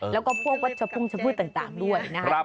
แล้วก็พวกวัชพงชะพืชต่างด้วยนะครับ